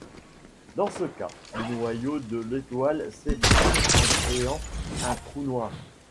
Dans ce cas, le noyau de l'étoile s'effondre en créant un trou noir.